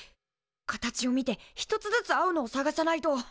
形を見て１つずつ合うのを探さないと。